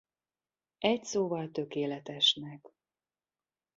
Egyszóval tökéletesnek.